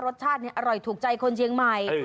รสชาติอร่อยถูกใจคนเชียงใหม่